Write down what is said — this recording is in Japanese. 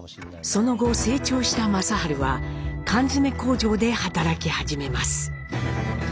その後成長した正治は缶詰工場で働き始めます。